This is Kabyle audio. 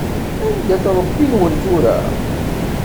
Anda-t Ṛebbi-nwen tura?